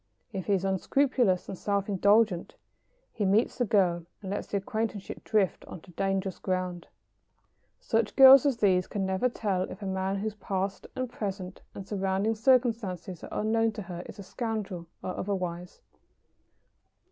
If he is unscrupulous and self indulgent he meets the girl and lets the acquaintanceship drift on to dangerous ground. [Sidenote: The danger of the proceeding.] Such girls as these can never tell if a man whose past and present and surrounding circumstances are unknown to her is a scoundrel or otherwise.